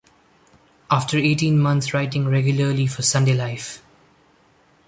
After eighteen months writing regularly for SundayLife!